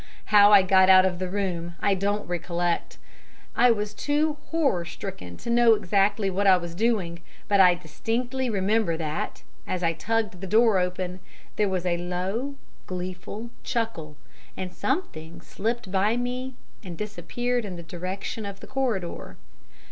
How I got out of the room I don't recollect. I was too horror stricken to know exactly what I was doing, but I distinctly remember that, as I tugged the door open, there was a low, gleeful chuckle, and something slipped by me and disappeared in the direction of the corridor.